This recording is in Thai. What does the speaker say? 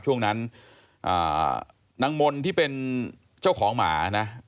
ช่วงนั้นนางมนต์ที่เป็นเจ้าของหมานะ